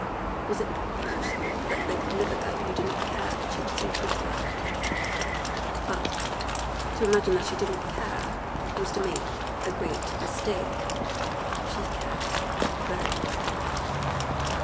Was it possible that there could live a girl who did not care that she was so pretty? But to imagine that she did not care was to make a great mistake she cared very much.